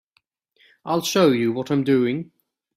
I'll show you what I'm doing.